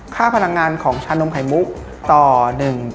ค่าพลังงานของชานมไข่มุกต่อ๑แก้ว๔๐๐กว่ากิโลแพลอรี่